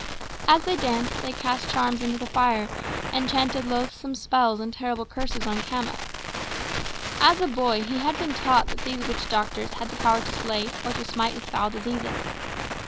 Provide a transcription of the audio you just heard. As they danced they cast charms into the fire and chanted loathsome spells and terrible curses on Khama. As a boy he had been taught that these witch doctors had the power to slay or to smite with foul diseases.